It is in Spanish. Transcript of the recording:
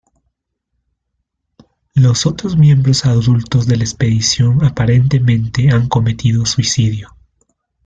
Los otros miembros adultos de la expedición aparentemente han cometido suicidio.